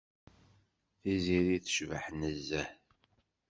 Tiziri tecbeḥ nezzeh.